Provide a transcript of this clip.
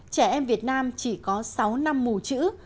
trẻ em việt nam chỉ có sáu năm mù chữ